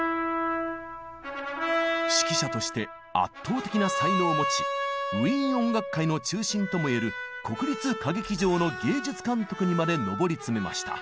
指揮者として圧倒的な才能を持ちウィーン音楽界の中心ともいえる国立歌劇場の芸術監督にまで上り詰めました。